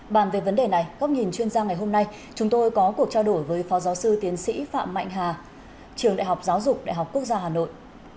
bàn về vấn đề này góc nhìn chuyên gia ngày hôm nay chúng tôi có cuộc trao đổi với phó giáo sư tiến sĩ phạm mạnh hà trường đại học giáo dục đại học quốc gia hà nội